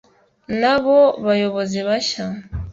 n abo bayobozi bashya